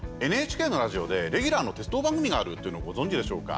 ＮＨＫのラジオでレギュラーの鉄道番組があるっていうの、ご存じでしょうか。